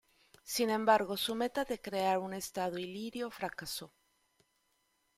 Sin embargo, su meta de crear un estado ilirio fracasó.